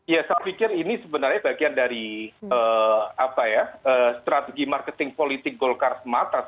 ya saya pikir ini sebenarnya bagian dari strategi marketing politik golkar semata